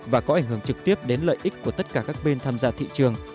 và có ảnh hưởng trực tiếp đến lợi ích của tất cả các bên tham gia thị trường